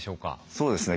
そうですね。